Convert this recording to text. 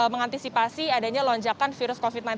mengantisipasi adanya lonjakan virus covid sembilan belas